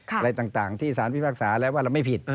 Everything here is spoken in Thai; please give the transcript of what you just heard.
อะไรต่างที่สารพิพากษาแล้วว่าเราไม่ผิด